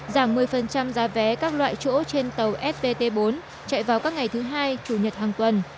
giảm một mươi giá vé các loại chỗ trên tàu spt bốn chạy vào các ngày thứ hai chủ nhật hàng tuần